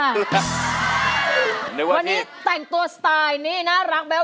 วันนี้แต่งตัวสไตล์นี่น่ารักไหม